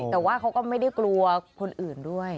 แต่ว่าเขาก็ไม่ได้กลัวคนอื่นด้วย